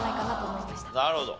なるほど。